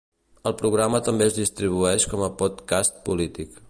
El programa també es distribueix com a podcast polític.